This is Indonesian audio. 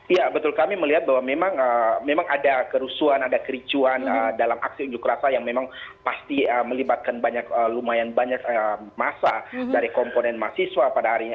ya betul kami melihat bahwa memang ada kerusuhan ada kericuan dalam aksi unjuk rasa yang memang pasti melibatkan banyak lumayan banyak masa dari komponen mahasiswa pada hari ini